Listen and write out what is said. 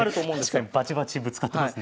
確かにバチバチぶつかってますね。